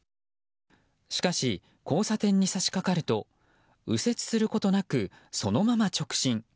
しかし、交差点に差し掛かると右折することなく、そのまま直進。